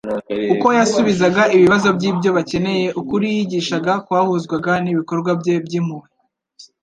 Uko yasubizaga ibibazo by'ibyo bakeneye, ukuri yigishaga kwahuzwaga n'ibikorwa bye by'impuhwe